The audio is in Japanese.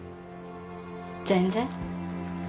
全然。